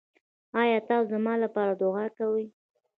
ایا تاسو زما لپاره دعا کوئ؟